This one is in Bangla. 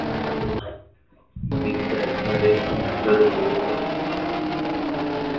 বিদ্যা একবার এ পুরস্কারের মনোনয়ন পান।